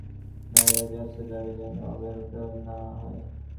নায়না জয়সওয়ালের দাবি যেন অবহেলিত না হয়।